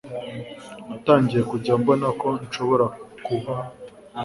natangiye kujya mbona ko nshobora kuba